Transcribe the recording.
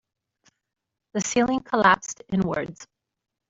The ceiling collapsed inwards.